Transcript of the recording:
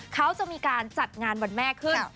เขาจะมีการจัดงานวันแม่ขึ้น